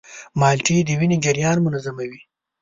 مالټې د وینې جریان منظموي.